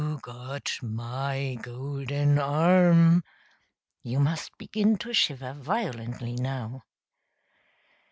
zzz zzz W h o g o t m y g o l d e n arm!" (You must begin to shiver violently now.)